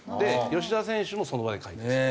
吉田選手もその場で回転する。